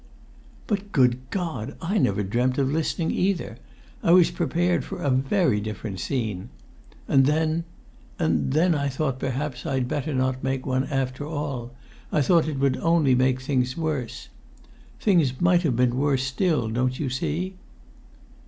"But, good God! I never dreamt of listening either. I was prepared for a very different scene. And then and then I thought perhaps I'd better not make one after all! I thought it would only make things worse. Things might have been worse still, don't you see?"